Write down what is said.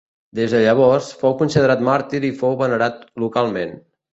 Des de llavors, fou considerat màrtir i fou venerat localment.